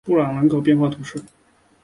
东布朗人口变化图示